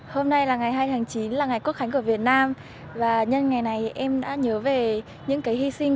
hôm nay là ngày hai tháng chín là ngày quốc khánh của việt nam và nhân ngày này em đã nhớ về những cái hy sinh